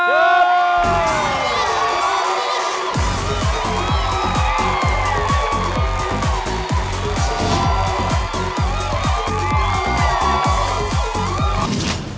เยี่ยม